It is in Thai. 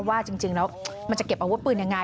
ว่าจริงแล้วมันจะเก็บอาวุธปืนยังไง